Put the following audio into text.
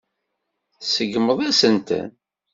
Tseggmeḍ-asen-ten.